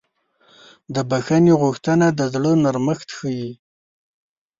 د بښنې غوښتنه د زړه نرمښت ښیي.